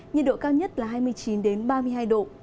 nhiệt độ cao nhất là hai mươi chín ba mươi hai độ